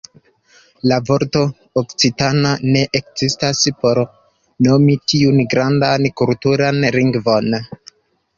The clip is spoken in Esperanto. La vorto "okcitana" ne ekzistis por nomi tiun grandan kulturan lingvon.